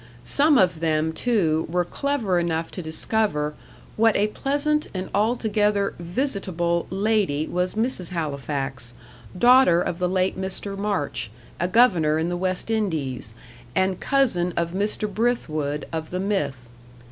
Some of them, too, were clever enough to discover, what a pleasant and altogether "visitable" lady was Mrs. Halifax, daughter of the late Mr. March, a governor in the West Indies, and cousin of Mr. Brithwood of the Mythe.